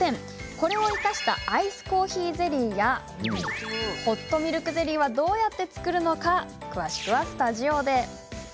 これを生かしたアイスコーヒーゼリーやホットミルクゼリーはどうやって作るのか詳しくはスタジオで。